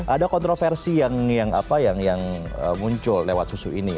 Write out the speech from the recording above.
ada kontroversi yang muncul lewat susu ini